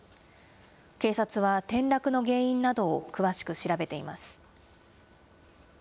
警察は転落の原因などを詳しく調べています。